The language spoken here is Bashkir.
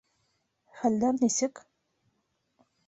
Хәлдәр нисек?